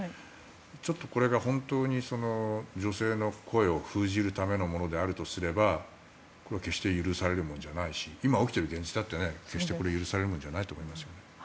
ちょっとこれが本当に女性の声を封じるためのものであるとすればこれは決して許されるものじゃないし今起きている現実だって決して許されるものじゃないと思います。